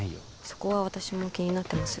そこは私も気になってます